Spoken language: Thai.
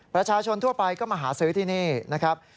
ประชาชนทั่วไปก็มาหาซื้อที่นี่นะครับ